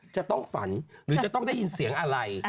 จะต้องฝันหรือจะต้องได้ยินเสียงอะไร